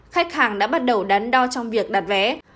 khách hàng đã bắt đầu đắn đo trong việc đặt vé